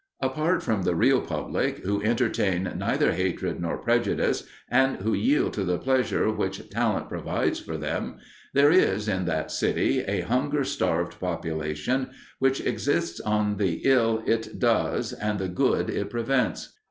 Apart from the real public, who entertain neither hatred nor prejudice, and who yield to the pleasure which talent provides for them, there is, in that city, a hunger starved population, which exists on the ill it does and the good it prevents.